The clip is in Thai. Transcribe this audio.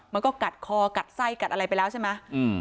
มันก็กัดคอกัดไส้กัดอะไรไปแล้วใช่ไหม